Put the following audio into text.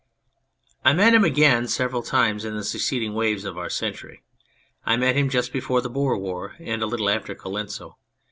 I met him again several times in the succeeding waves of our century. I met him just before the Boer War, and a little after Colenso.